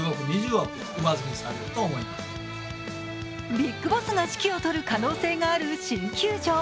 ビッグボスが指揮を執る可能性がある新球場。